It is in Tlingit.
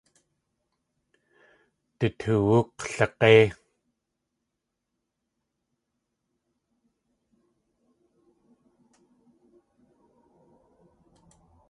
Du toowú klig̲éi.